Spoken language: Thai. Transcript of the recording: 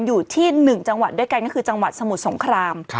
อยู่ที่๑จังหวัดด้วยกันก็คือจังหวัดสมุทรสงคราม